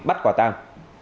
bắt quả tang